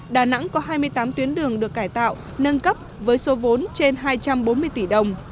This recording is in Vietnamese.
đà nẵng có hai mươi tám tuyến đường được cải tạo nâng cấp với số vốn trên hai trăm bốn mươi tỷ đồng